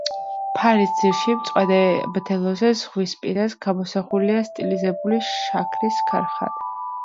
ფარის ძირში, მწვანე მდელოზე, ზღვის პირას გამოსახულია სტილიზებული შაქრის ქარხანა.